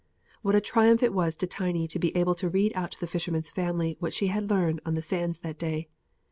What a triumph it was to Tiny to be able to read out to the fisherman's family what she had learned on the sands that day.